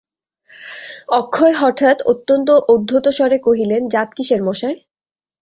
অক্ষয় হঠাৎ অত্যন্ত উদ্ধতস্বরে কহিলেন, জাত কিসের মশায়!